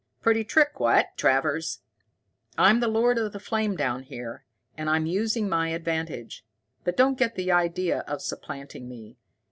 "Pretty trick, what, Travers? I'm the Lord of the Flame down here, and I'm using my advantage. But don't get the idea of supplanting me.